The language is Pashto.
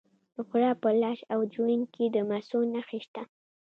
د فراه په لاش او جوین کې د مسو نښې شته.